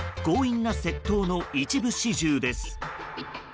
強引な窃盗の一部始終です。